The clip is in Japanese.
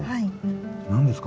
何ですか？